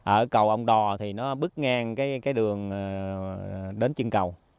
ở cầu ông đò thì nó bước ngang cái đường đến chân cầu